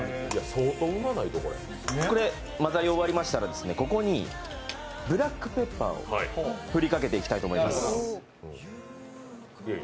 これ、混ざり終わりましたらここにブラックぺっパーを振りかけていきます。